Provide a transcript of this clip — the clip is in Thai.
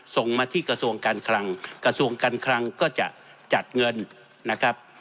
ส่งมาที่กระทรวงการคลังกระทรวงการคลังก็จะจัดเงินนะครับ